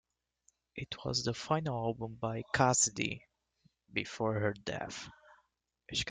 It was the final album by Cassidy before her death.